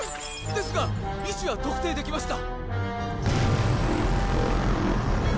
ですが位置は特定できました！